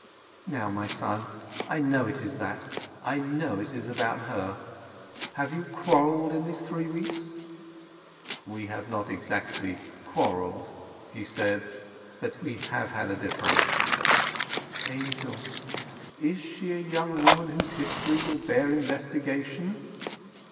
Now, my son, I know it is that—I know it is about her! Have you quarrelled in these three weeks?" "We have not exactly quarrelled," he said. "But we have had a difference—" "Angel—is she a young woman whose history will bear investigation?"